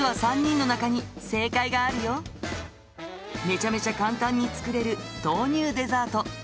めちゃめちゃ簡単に作れる豆乳デザート。